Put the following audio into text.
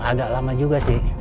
agak lama juga sih